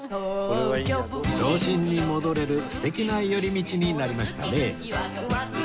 童心に戻れる素敵な寄り道になりましたね